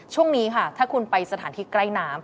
ช่วงนี้ค่ะถ้าคุณไปสถานที่ใกล้น้ำ